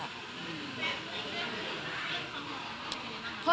แล้วเพิ่มเวลาจะมาหรือเปล่า